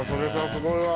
すごいわ。